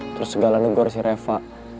terus segala negor sih reva